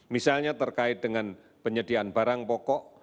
misalnya terkait dengan penyediaan barang pokok